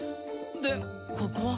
でここは？